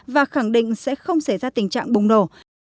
và khẳng định sẽ không xảy ra tình trạng bùng nổ